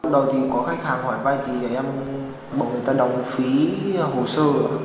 đầu tiên có khách hàng hỏi vay thì em bảo người ta đóng phí hồ sơ